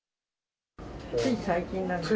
つい最近なんですけど。